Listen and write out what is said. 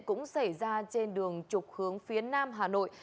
cũng xảy ra trên đường trục hướng phía nam hà nội